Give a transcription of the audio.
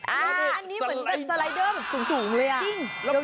อันนี้เหมือนกันสไลเดอร์สูงเลยอ่ะ